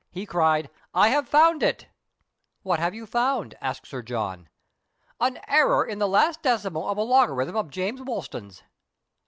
he cried, " I have found it !"" What have you found ?" asked Sir John. " An error in the last decimal of a logarithm of James Wolston's."